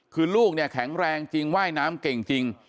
คือลูกเนี่ยแข็งแรงจริงว่ายน้ำเก่งจริง